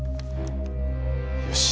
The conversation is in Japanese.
よし。